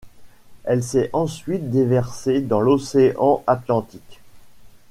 Elle s'est ensuite déversée dans l’océan Atlantique.